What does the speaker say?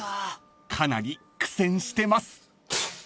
［かなり苦戦してます］